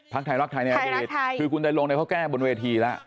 พักไทยรักไทยในไทยรักไทยคือคุณไตรงได้เขาแก้บนเวทีแล้ว